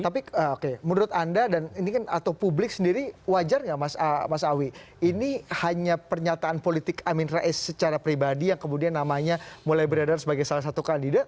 tapi menurut anda dan ini kan atau publik sendiri wajar nggak mas awi ini hanya pernyataan politik amin rais secara pribadi yang kemudian namanya mulai beredar sebagai salah satu kandidat